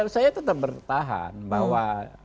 saya tetap bertahan bahwa